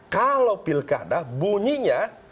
kalau pilkada bunyinya